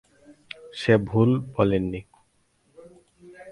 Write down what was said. সে ভুল বলেনি।